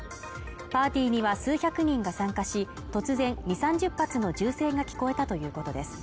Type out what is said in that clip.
パーティーには数百人が参加し、突然２０３０発の銃声が聞こえたということです